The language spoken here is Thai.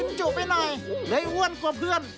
ไหนกินจุดไปหน่อยไหนอ้วนกว่าเพื่อน